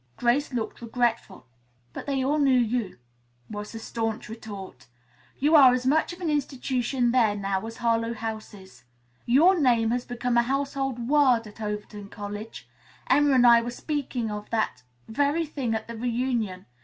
Grace looked regretful. "But they all knew you," was the staunch retort. "You are as much of an institution there now as Harlowe House is. Your name has become a household word at Overton College. Emma and I were speaking of that very thing at the reunion.